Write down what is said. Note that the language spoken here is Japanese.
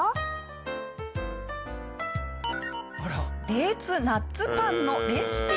デーツナッツパンのレシピ。